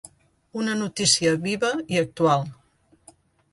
Una notícia viva i actual.